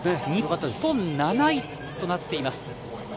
日本７位となっています。